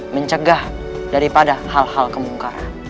mencegah daripada hal hal kemungkaran